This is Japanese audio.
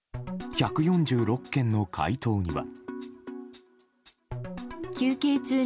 １４６件の回答には。